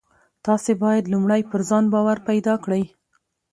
تاسې بايد لومړی پر ځان باور پيدا کړئ.